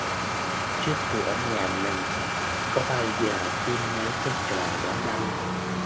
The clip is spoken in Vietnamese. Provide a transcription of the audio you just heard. Trước cửa nhà mình có bao giờ tin mấy cái trò đó đâu